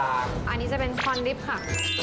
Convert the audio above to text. อันนี้จะเป็นคอนลิฟต์ค่ะ